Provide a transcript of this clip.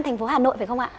thành phố hà nội phải không ạ